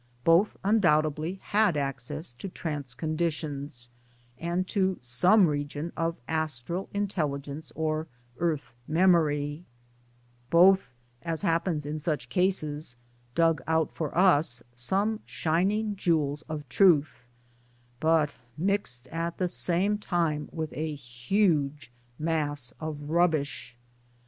Both undoubtedly had access to trance conditions and to some region of astral intelligence or earth memory ; both (as happens in such cases) dug out for us some shining jewels of truth, but mixed at the same time with a huge mass of rubbish.